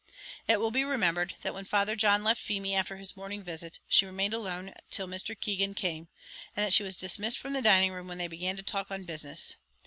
It will be remembered that when Father John left Feemy after his morning visit, she remained alone till Mr. Keegan came: and that she was dismissed from the dining room when they began to talk on business.